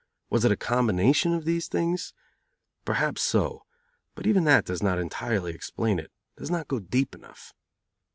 Was it a combination of these things? Perhaps so, but even that does not entirely explain it, does not go deep enough.